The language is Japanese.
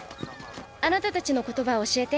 あなたたちの言葉を教えて。